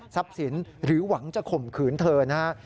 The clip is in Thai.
ทรัพย์สินหรือหวังจะข่มขืนเธอนะฮะ